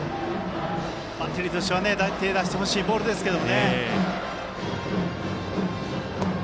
バッテリーとしては手を出してほしいボールですけど。